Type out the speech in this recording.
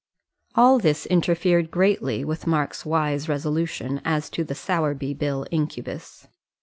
All this interfered greatly with Mark's wise resolution as to the Sowerby bill incubus.